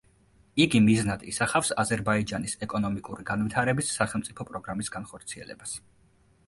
იგი მიზნად ისახავს აზერბაიჯანის ეკონომიკური განვითარების სახელმწიფო პროგრამის განხორციელებას.